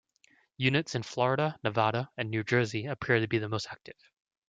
Units in Florida, Nevada, and New Jersey appear to be the most active.